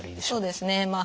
そうですね。